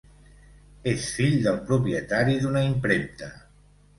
És fill del propietari d'una impremta.